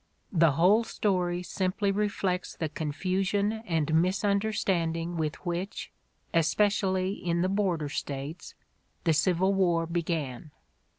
The whole story simply reflects the confusion and misunderstanding with which, especially in the border States, the Civil War began.